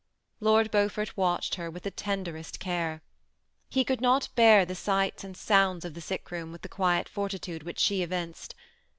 Lord Beaufort watched her with the tenderest care. He could not bear the sights and sounds of the sick room with the quiet fortitude which she evinced.